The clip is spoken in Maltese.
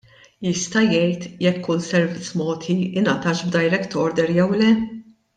Jista' jgħid jekk kull servizz mogħti, ingħatax b'direct order jew le?